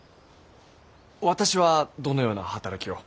私はどのような働きを。